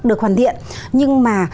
được hoàn thiện nhưng mà